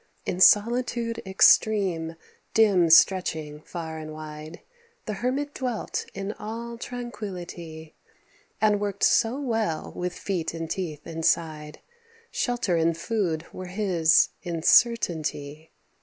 In solitude extreme, dim stretching far and wide, The hermit dwelt in all tranquillity, And worked so well with feet and teeth inside, Shelter and food were his in certainty.